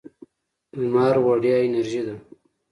لمر وړیا انرژي ده.